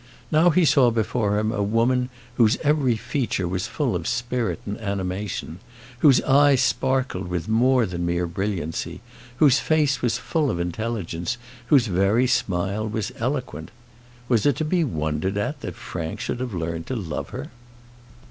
Now he saw before him a woman whose every feature was full of spirit and animation; whose eye sparkled with more than mere brilliancy; whose face was full of intelligence; whose very smile was eloquent. Was it to be wondered at that Frank should have learned to love her?